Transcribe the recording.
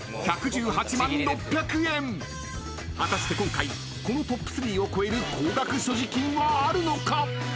［果たして今回このトップ３を超える高額所持金はあるのか］